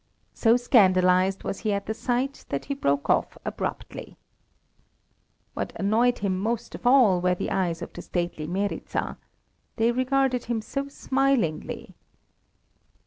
So scandalized was he at the sight that he broke off abruptly. What annoyed him most of all were the eyes of the stately Meryza; they regarded him so smilingly.